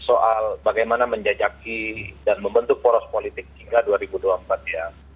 soal bagaimana menjajaki dan membentuk poros politik hingga dua ribu dua puluh empat ya